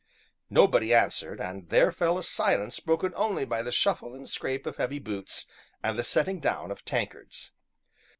Nobody answered, and there fell a silence broken only by the shuffle and scrape of heavy boots and the setting down of tankards.